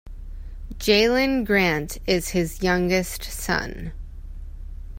Jaelin Grant is his youngest son.